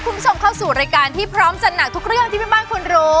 คุณผู้ชมเข้าสู่รายการที่พร้อมจัดหนักทุกเรื่องที่แม่บ้านคุณรู้